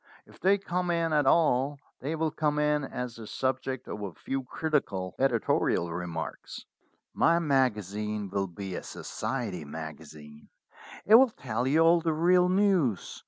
If they come in at all, they will come in as the subject of a few critical editorial remarks. My magazine will be a 230 STORIES WITHOUT TEARS society magazine. It will tell you all the real news.